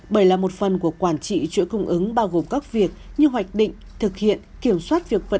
bởi là một phần của quản trị chuỗi cung ứng bao gồm các việc như hoạch định thực hiện kiểm soát việc vận